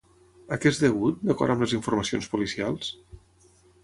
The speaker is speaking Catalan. A què és degut, d'acord amb les informacions policials?